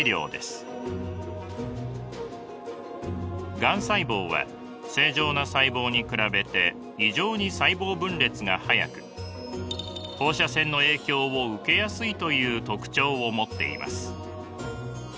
がん細胞は正常な細胞に比べて異常に細胞分裂が速く放射線の影響を受けやすいという特徴を持っています。